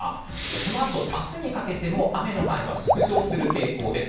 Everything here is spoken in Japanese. このあと、明日にかけても雨の範囲は縮小する傾向です。